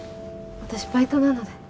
私バイトなので。